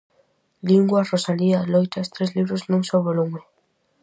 Lingua, Rosalía, loitas Tres libros nun só volume.